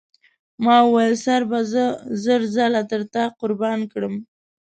ما وویل سر به زه زر ځله تر تا قربان کړم.